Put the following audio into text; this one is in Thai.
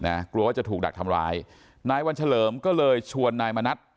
กลัวว่าจะถูกดักทำร้ายนายวันเฉลิมก็เลยชวนนายมณัฐ